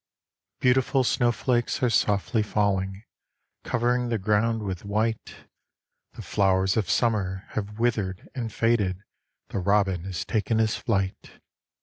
Beautiful snowflakes are softly falling, Covering the ground with white; The flowers of summer have withered and faded, The robin has taken his flight.